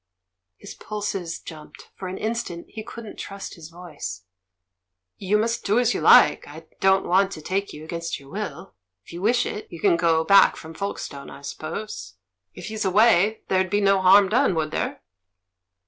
His pulses jumped; for an instant he couldn't trust his voice. "You must do as you like, I don't want to take you against your will. ... If you wish it, you can go back from Folkestone; I suppose — DEAD VIOLETS 257 if he's away — there'd be no harm done, would there?"